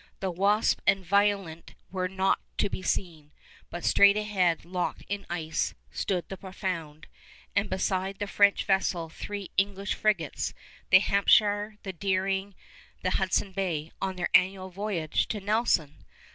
The Wasp and Violent were not to be seen, but straight ahead, locked in the ice, stood the Profound, and beside the French vessel three English frigates, the Hampshire, the Deering, the Hudson's Bay, on their annual voyage to Nelson!